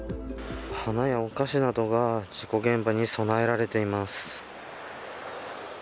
花やお菓子などが事故現場に供えられています。